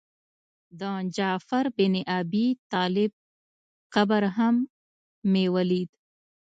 د جعفر بن ابي طالب قبر هم مې ولید.